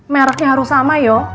merahnya harus sama yuk